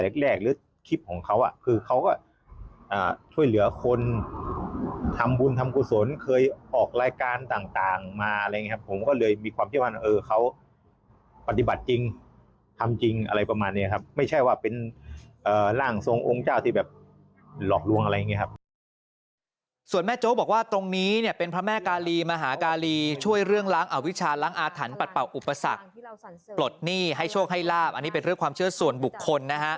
ที่แรกคลิปของเขาอ่ะคือเขาก็ช่วยเหลือคนทำบุญทำกุศลเคยออกรายการต่างมาเลยครับผมก็เลยมีความเชื่อว่าเออเขาปฏิบัติจริงทำจริงอะไรประมาณนี้ครับไม่ใช่ว่าเป็นร่างทรงองค์เจ้าที่แบบหลอกหลวงอะไรอย่างนี้ครับส่วนแม่โจ้บอกว่าตรงนี้เนี่ยเป็นพระแม่กาลีมหากาลีช่วยเรื่องล้างอวิชาล้างอาถรรพ์ปลัดเปล่